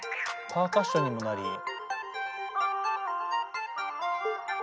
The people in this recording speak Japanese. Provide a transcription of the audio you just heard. パーカッションにもなり。